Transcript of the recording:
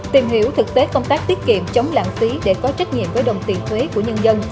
tìm hiểu thực tế công tác tiết kiệm chống lãng phí để có trách nhiệm với đồng tiền thuế của nhân dân